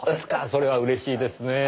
それは嬉しいですねぇ。